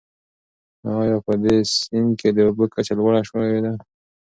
آیا په دې سیند کې د اوبو کچه لوړه شوې ده؟